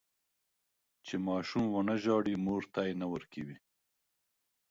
چې ماشوم ونه زړي، مور تی نه ورکوي.